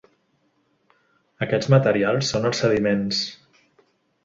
Aquests materials són els sediments.